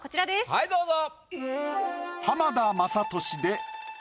はいどうぞ！